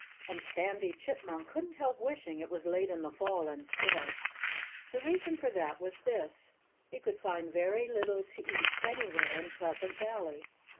And Sandy Chipmunk couldn't help wishing it was late in the fall instead. The reason for that was this: He could find very little to eat anywhere in Pleasant Valley.